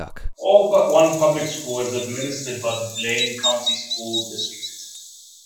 All but one public school is administered by the Blaine County School District.